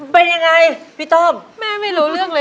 เป็นยังไงพี่ต้อมแม่ไม่รู้เรื่องเลย